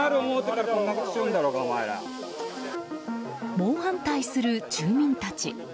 猛反対する住民たち。